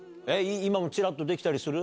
今もちらっとできたりする？